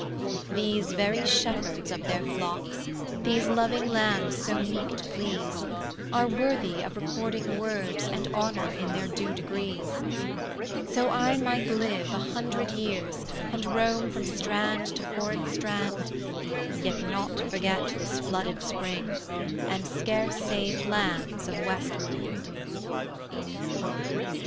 These very shepherds of their flocks, These loving lambs so meek to please, Are worthy of recording words And honor in their due degrees: So I might live a hundred years, And roam from strand to foreign strand, Yet not forget this flooded spring And scarce saved lambs of Westmoreland.